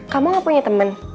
kamu gak punya temen